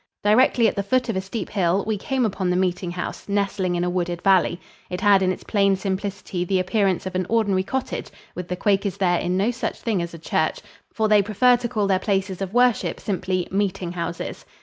Directly at the foot of a steep hill we came upon the meeting house, nestling in a wooded valley. It had in its plain simplicity the appearance of an ordinary cottage; with the Quakers there in no such thing as a church, for they prefer to call their places of worship simply "meeting houses."